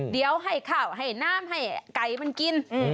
เดี๋ยวให้ข้าวให้น้ำให้ไก่มันกิน